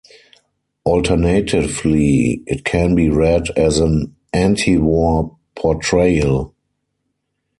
Alternatively, it can be read as an antiwar portrayal.